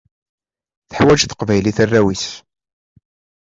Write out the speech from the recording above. Teḥwaǧ teqbaylit arraw-is.